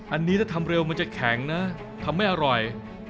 อันนี้ถ้าทำเร็วมันจะแข็งนะทำไม่อร่อย